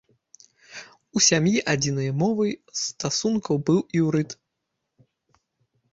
У сям'і адзінай мовай стасункаў быў іўрыт.